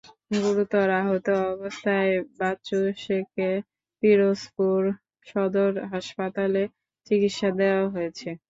গুরুতর আহত অবস্থায় বাচ্চু শেখকে পিরোজপুর সদর হাসপাতালে চিকিৎসা দেওয়া হয়েছে।